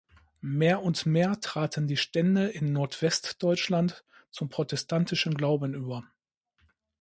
Mehr und mehr traten die Stände in Nordwestdeutschland zum protestantischen Glauben über.